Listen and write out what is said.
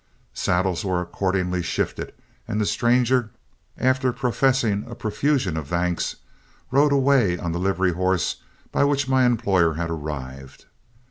Saddles were accordingly shifted, and the stranger, after professing a profusion of thanks, rode away on the livery horse by which my employer had arrived.